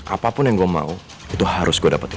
apapun yang gue mau itu harus gue dapetin